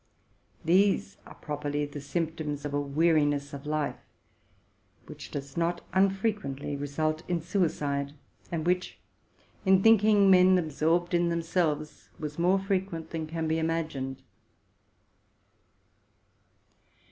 These are properly the symptoms of a weariness of life, 160 TRUTH AND FICTION which does not unfrequently result in suicide, and which in thinking men, absorbed in themselves, was more frequent than can be imagined.